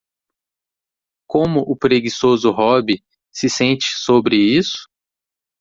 Como o preguiçoso Robbie se sente sobre isso?